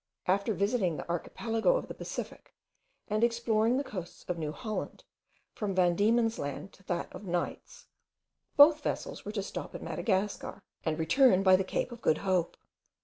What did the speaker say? After visiting the archipelago of the Pacific, and exploring the coasts of New Holland, from Van Diemen's Land to that of Nuyts, both vessels were to stop at Madagascar, and return by the Cape of Good Hope.